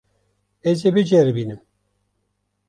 Ez ê biceribînim.